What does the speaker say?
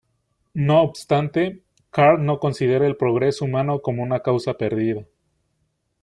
No obstante, Carr no considera el progreso humano como una causa perdida.